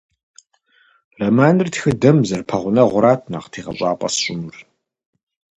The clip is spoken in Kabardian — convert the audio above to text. Романыр тхыдэм зэрыпэгъунэгъурат нэхъ тегъэщӏапӏэ сщӏынур.